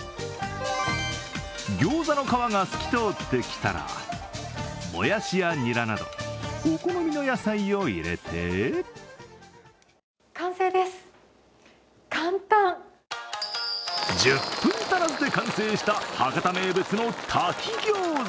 ギョーザの皮が透き通ってきたらもやしや、にらなどお好みの野菜を入れて１０分足らずで完成した博多名物の炊きギョーザ。